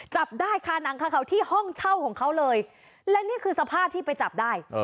จับได้ค่ะหนังคาเขาที่ห้องเช่าของเขาเลยและนี่คือสภาพที่ไปจับได้